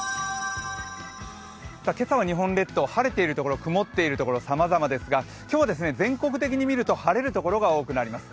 今朝は日本列島、晴れているところ、曇っているところさまざまですが、今日は全国的に見ると晴れる所が多くなります。